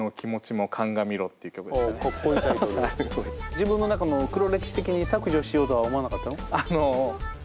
自分の中の黒歴史的に削除しようとは思わなかったの？